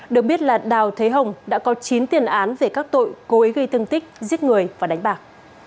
được biết là đào thế hồng đã có chín tiền án về các tội cố ý gây thương tích giết người và đánh bạc